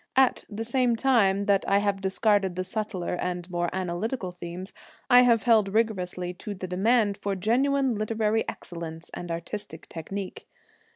At the same time that I have discarded the subtler and more analytical themes, I have held rigorously to the demand for genuine literary excellence and artistic technique.